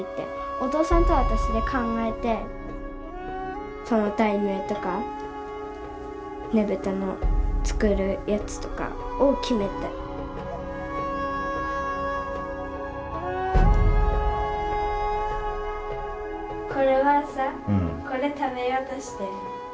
お父さんと私で考えてその題名とかねぶたの作るやつとかを決めてこれはさこれ食べようとしてるの？